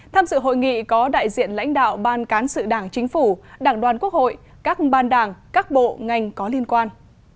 tham dự hội nghị có đại diện lãnh đạo ban cán sự đảng chính phủ đảng đoàn quốc hội các ban đảng các bộ ngành có liên quan